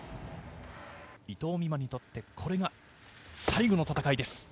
伊藤美誠にとって、これが最後の戦いです。